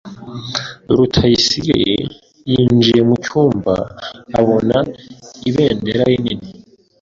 Rutayisire yinjiye mucyumba, abona ibendera rinini